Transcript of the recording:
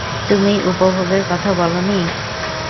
তুমিই উপভোগের কথা বলো নি?